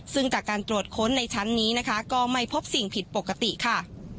ซึ่งจากการตรวจค้นในชั้นนี้นะคะก็ไม่พบสิ่งผิดปกติค่ะ